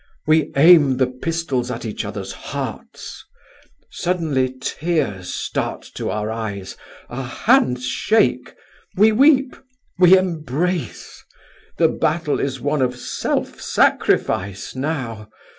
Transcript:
We aim the pistols at each other's hearts. Suddenly tears start to our eyes, our hands shake; we weep, we embrace—the battle is one of self sacrifice now!